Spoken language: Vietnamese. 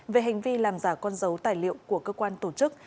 về hành vi làm giả con dấu tài liệu của cơ quan tổ chức